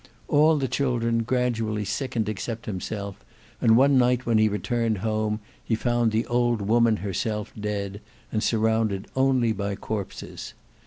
All the children gradually sickened except himself; and one night when he returned home he found the old woman herself dead, and surrounded only by corpses.